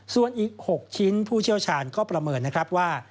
ส่วนอีก๖ชิ้นผู้เชี่ยวชาญก็ประเมินนะครับว่า